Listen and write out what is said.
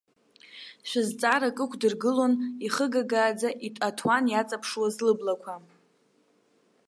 Шәызҵаарак ықәдыргылон ихыгагааӡа аҭуан иаҵаԥшуаз лыблақәа.